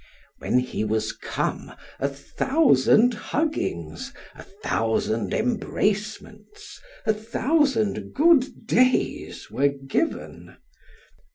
When he was come, a thousand huggings, a thousand embracements, a thousand good days were given.